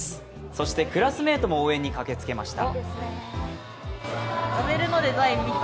そして、クラスメートも応援に駆けつけました。